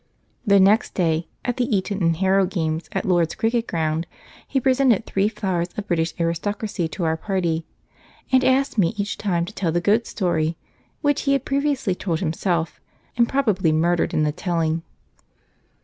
The next day, at the Eton and Harrow games at Lord's cricket ground, he presented three flowers of British aristocracy to our party, and asked me each time to tell the goat story, which he had previously told himself, and probably murdered in the telling.